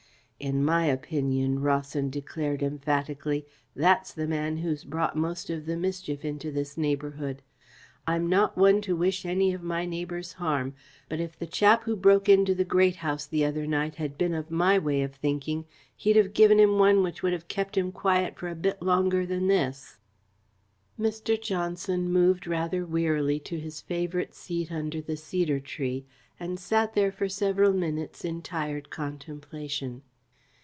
"In my opinion," Rawson declared emphatically, "that's the man who's brought most of the mischief into this neighbourhood. I'm not one to wish any of my neighbours harm, but if the chap who broke into the Great House the other night had been of my way of thinking, he'd have given him one which would have kept him quiet for a bit longer than this." Mr. Johnson moved rather wearily to his favourite seat under the cedar tree, and sat there for several minutes in tired contemplation.